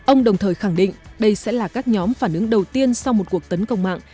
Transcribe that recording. ông đồng thời khẳng định đây sẽ là các nhóm phản ứng đầu tiên sau một cuộc tấn công mạng